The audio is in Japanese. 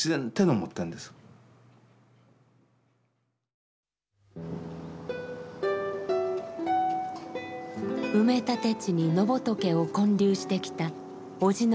埋め立て地に野仏を建立してきた叔父の正人さん。